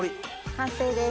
完成です。